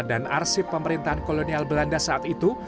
dan arsip pemerintahan kolonial belanda saat itu